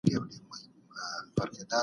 ترڅو خلګو ته د کار زمینه برابره سي.